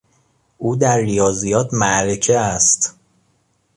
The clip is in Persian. او در ریاضیات معرکه است.